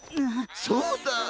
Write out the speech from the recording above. そうだ！